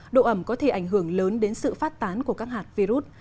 độ ẩm có thể ảnh hưởng lớn đến sự phát tán của các hạt virus